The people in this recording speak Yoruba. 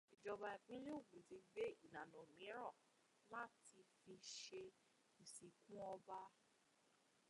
Ìjọba ìpínlẹ̀ Ògùn ti gbé ìlànà mìíràn láti fi ṣe ìsìnkú ọba.